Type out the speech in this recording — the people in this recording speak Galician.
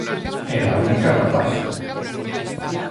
Era a única rapaza.